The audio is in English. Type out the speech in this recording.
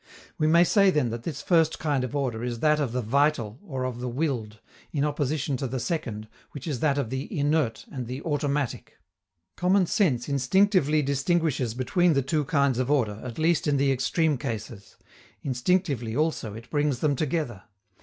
We may say then that this first kind of order is that of the vital or of the willed, in opposition to the second, which is that of the inert and the automatic. Common sense instinctively distinguishes between the two kinds of order, at least in the extreme cases; instinctively, also, it brings them together.